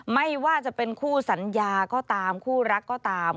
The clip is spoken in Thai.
ไม่ว่าจะเป็นคู่สัญญาก็ตามคู่รักก็ตาม